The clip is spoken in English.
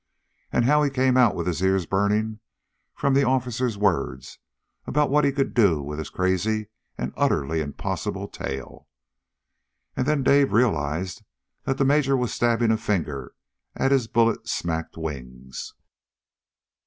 And of how he came out with his ears burning from the officer's words about what he could do with his crazy and utterly impossible tale! And then Dave realized that the Major was stabbing a finger at his bullet smacked wings.